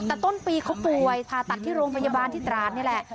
แต่ต้นปีเขาป่วยผ่าตัดที่โรงพยาบาลที่ตราดนี่แหละ